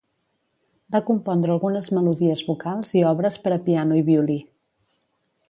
Va compondre algunes melodies vocals i obres per a piano i violí.